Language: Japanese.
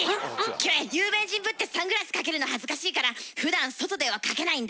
キョエ有名人ぶってサングラスかけるの恥ずかしいからふだん外ではかけないんだ。